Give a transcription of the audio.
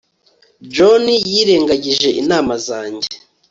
john yirengagije inama zanjye